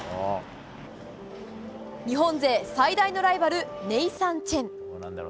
日本勢最大のライバルネイサン・チェン。